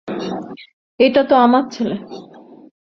এইতো আমার ছেলে।